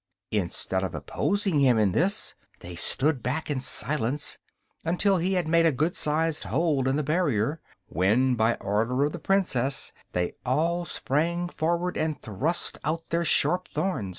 Instead of opposing him in this they stood back in silence until he had made a good sized hole in the barrier, when by order of the Princess they all sprang forward and thrust out their sharp thorns.